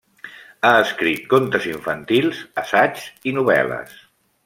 Ha escrit contes infantils, assaigs i novel·les.